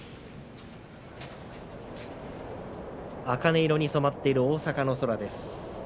あかね色に染まっている大阪の空です。